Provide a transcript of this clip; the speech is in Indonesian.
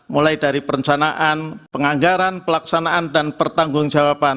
mulai dari perencanaan penganggaran pelaksanaan dan pertanggungjawaban